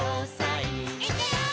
「いくよー！」